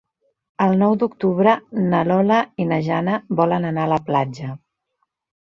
El nou d'octubre na Lola i na Jana volen anar a la platja.